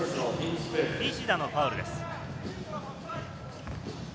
西田のファウルです。